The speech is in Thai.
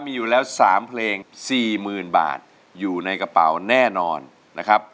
มีอยู่แล้วสามเพลงสี่หมื่นบาทอยู่ในกระเป๋าแน่นอนนะครับ